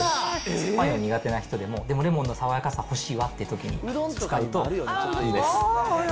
すっぱいの苦手な人でも、でもレモンの爽やかさ欲しいわっていうとき、使うといいです。